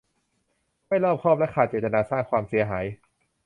ไม่รอบคอบและขาดเจตนาสร้างความเสียหาย